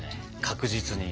確実に。